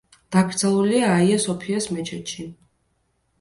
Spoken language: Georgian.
დაკრძალულია აია-სოფიას მეჩეთში.